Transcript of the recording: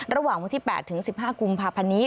ระหว่างวันที่๘๑๕กรุงพพพันนี้